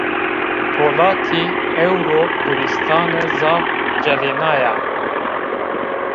Polatî ewro Gulîstane zaf celênaya